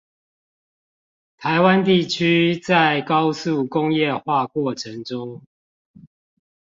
台灣地區在高速工業化過裎中